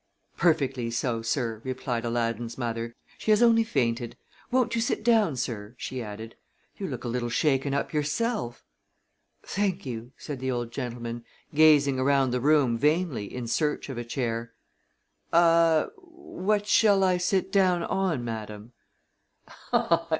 "Perfectly so, sir," replied Aladdin's mother. "She has only fainted. Won't you sit down, sir?" she added. "You look a little shaken up yourself." "Thank you," said the old gentleman, gazing around the room vainly in search of a chair. "Ah what shall I sit down on, madam?"